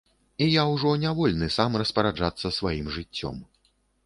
І я ўжо не вольны сам распараджацца сваім жыццём.